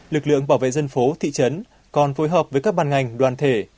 lực lượng bảo vệ dân phố thị trấn còn phối hợp với các bàn ngành đoàn thể